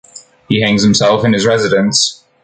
He hangs himself in his residence.